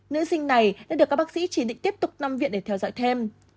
nữ sinh này đã được các bác sĩ chỉ định tiếp tục nằm viện để theo dõi thêm